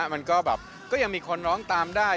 มันก็แบบก็ยังมีคนร้องตามได้